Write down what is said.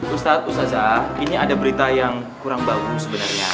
ustazah ini ada berita yang kurang bagus sebenernya